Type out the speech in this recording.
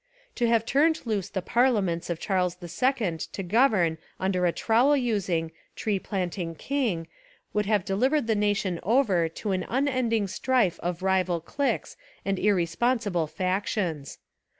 To have turned loose the parliaments of Charles II to govern under a trowel using, tree planting king would have delivered the nation over to an unending strife of rival cliques and irresponsible factions.